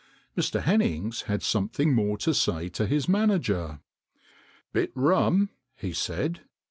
Mr. Hennings had something more to say to his manager. " Bit rum," he said.